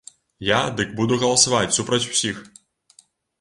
Я, дык буду галасаваць супраць усіх.